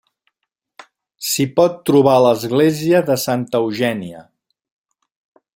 S'hi pot trobar l'església de Santa Eugènia.